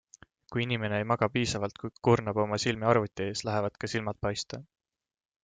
Kui inimene ei maga piisavalt, kuid kurnab oma silmi arvuti ees, lähevad ka silmad paiste.